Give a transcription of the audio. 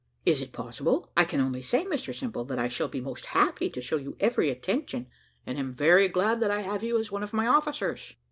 "Is it possible? I can only say, Mr Simple, that I shall be most happy to show you every attention, and am very glad that I have you as one of my officers."